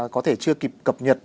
có thể chưa kịp cập nhật